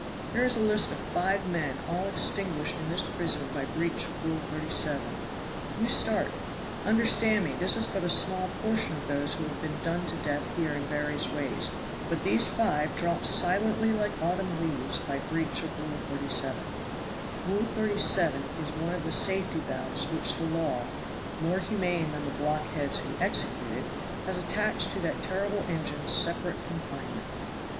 Here is a list of five men all extinguished in this prison by breach of Rule 37. You start. Understand me, this is but a small portion of those who have been done to death here in various ways; but these five dropped silently like autumn leaves by breach of Rule 37. Rule 37 is one of the safety valves which the law, more humane than the blockheads who execute it, has attached to that terrible engine separate confinement."